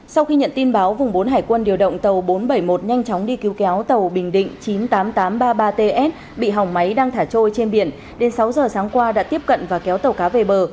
sau khi nhận tin báo vùng bốn hải quân điều động tàu bốn trăm bảy mươi một nhanh chóng đi cứu kéo tàu bình định chín mươi tám nghìn tám trăm ba mươi ba ts bị hỏng máy đang thả trôi trên biển đến sáu giờ sáng qua đã tiếp cận và kéo tàu cá về bờ